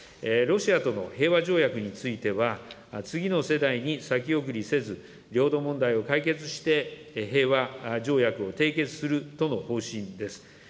ロシアとの平和条約については、次の世代に先送りせず、領土問題を解決して平和条約を締結するとの方針です。